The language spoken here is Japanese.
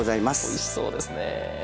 おいしそうですね。